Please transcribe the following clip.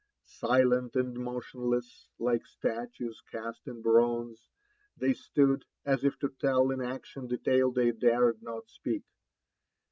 Silent and motionless, like statues cast in bronze, they stood, as if to tell in action the tale they dared not speak.